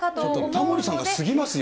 タモリさんが過ぎますよ。